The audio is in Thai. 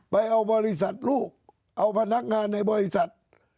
ไปเอาบริษัทลูกเอาพนักงานในบริษัท